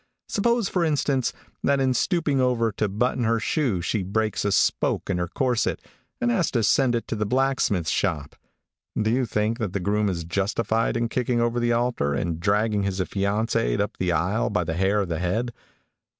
Suppose for instance that in stooping over to button her shoe she breaks a spoke in her corset and has to send it to the blacksmith shop, do you think that the groom is justified in kicking over the altar and dragging his affianced up the aisle by the hair of the head?